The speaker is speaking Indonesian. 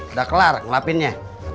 udah kelar ngelapinnya